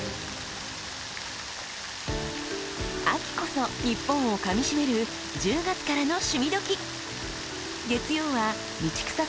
秋こそニッポンをかみしめる１０月からの「趣味どきっ！」。